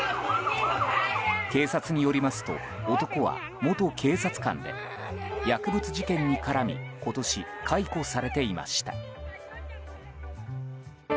警察によりますと男は元警察官で薬物事件に絡み今年、解雇されていました。